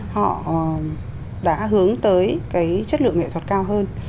họ đã hướng tới cái chất lượng nghệ thuật cao hơn